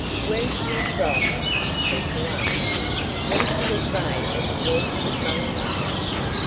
"Weren't you frightened?" people asked him. "Weren't you afraid that the horse would run away?"